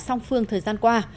song phương thời gian qua